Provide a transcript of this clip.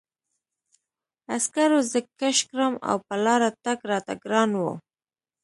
عسکرو زه کش کړم او په لاره تګ راته ګران و